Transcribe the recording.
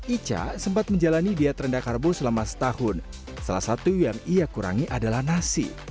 ica sempat menjalani diet rendah karbo selama setahun salah satu yang ia kurangi adalah nasi